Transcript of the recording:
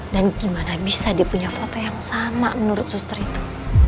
dan gimana bisa dia punya foto yang sama menurut suster itu